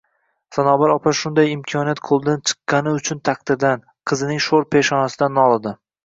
Sanobar opa shunday imkoniyat qo`ldan chiqqani uchun taqdirdan, qizining sho`r peshonasidan nolidi